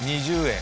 ２０円？